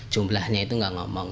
jumlahnya itu gak ngomong